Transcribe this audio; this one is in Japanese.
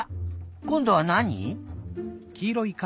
こんどはなに？